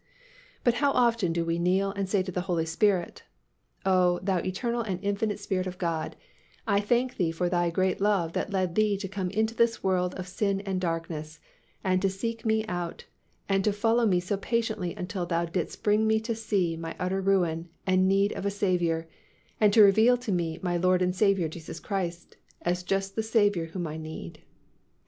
But how often do we kneel and say to the Holy Spirit, "Oh, Thou eternal and infinite Spirit of God, I thank Thee for Thy great love that led Thee to come into this world of sin and darkness and to seek me out and to follow me so patiently until Thou didst bring me to see my utter ruin and need of a Saviour and to reveal to me my Lord and Saviour, Jesus Christ, as just the Saviour whom I need."